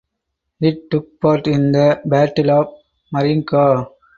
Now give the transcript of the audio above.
It took part in the Battle of Marinka.